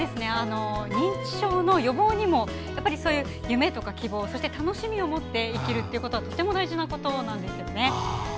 認知症の予防にもそういう夢とか希望そして、楽しみを持って生きるということがとても大事なことなんですよね。